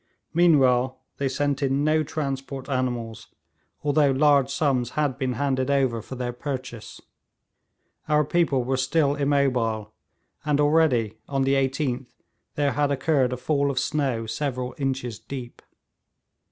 Meanwhile they sent in no transport animals, although large sums had been handed over for their purchase. Our people were still immobile, and already, on the 18th, there had occurred a fall of snow several inches deep.